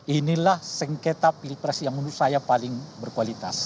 inilah sengketa pilpres yang menurut saya paling berkualitas